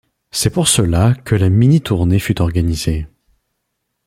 C'est pour cela que la mini-tournée fut organisée.